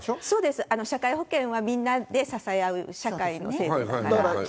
そうです、社会保険はみんなで支え合う社会の制度だから。